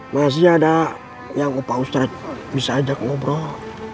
masih ada yang pak ustadz bisa ajak ngobrol